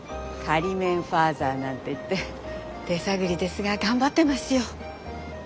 仮免ファーザーなんて言って手探りですが頑張ってますよ。